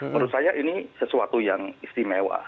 menurut saya ini sesuatu yang istimewa